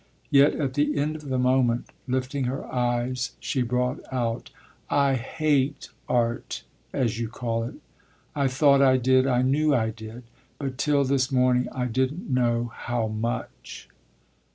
Yet at the end of the moment, lifting her eyes, she brought out: "I hate art, as you call it. I thought I did, I knew I did; but till this morning I didn't know how much."